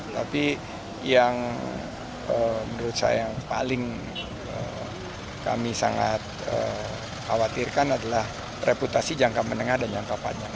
tapi yang menurut saya yang paling kami sangat khawatirkan adalah reputasi jangka menengah dan jangka panjang